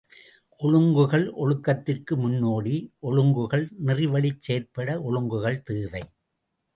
ஒழுங்குகள், ஒழுக்கத்திற்கு முன்னோடி, ஒழுக்கங்கள் நெறிவழிச் செயற்பட ஒழுங்குகள் தேவை.